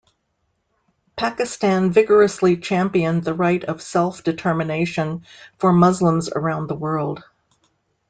Pakistan vigorously championed the right of self-determination for Muslims around the world.